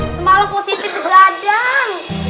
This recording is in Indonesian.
semalem positif gadang